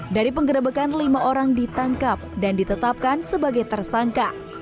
dari penggerebekan lima orang ditangkap dan ditetapkan sebagai tersangka